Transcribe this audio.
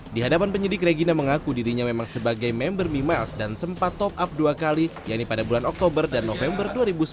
di hadapan penyidik regina mengaku dirinya memang sebagai member mimiles dan sempat top up dua kali yaitu pada bulan oktober dan november dua ribu sembilan belas